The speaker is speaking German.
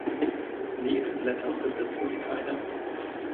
Nebenblätter besitzen sie keine.